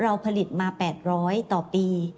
เราผลิตมา๘๐๐ต่อปี